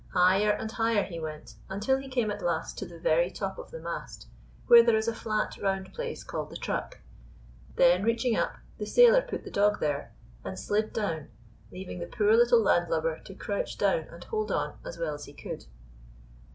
Higher and higher he went until he came at last to the very top of the mast, where there is a flat, round place called the truck. Then, reaching up, the sailor put the dog there and slid down, leaving the poor little landlubber to crouch down and hold on as well as he could.